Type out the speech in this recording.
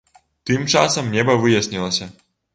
Тым часам неба выяснілася.